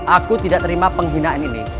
aku tidak terima penghinaan ini